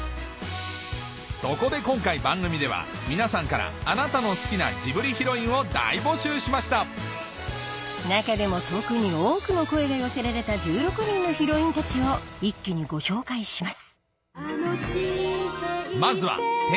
そこで今回番組では皆さんからあなたの好きなジブリヒロインを大募集しました中でも特に多くの声が寄せられた１６人のヒロインたちを一気にご紹介します